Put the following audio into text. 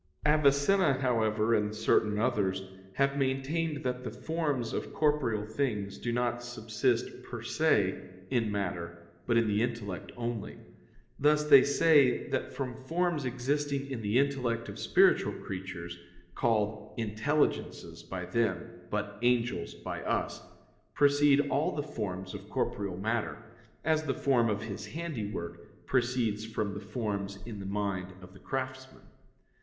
Avicenna, however, and certain others, have maintained that the forms of corporeal things do not subsist per se in matter, but in the intellect only. Thus they say that from forms existing in the intellect of spiritual creatures (called "intelligences" by them, but "angels" by us) proceed all the forms of corporeal matter, as the form of his handiwork proceeds from the forms in the mind of the craftsman.